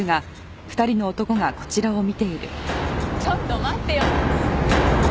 ちょっと待ってよ。